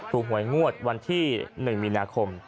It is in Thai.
หวยงวดวันที่๑มีนาคม